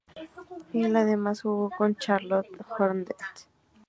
Él además jugó con Charlotte Hornets.